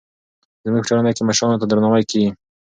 زموږ په ټولنه کې مشرانو ته درناوی کېږي.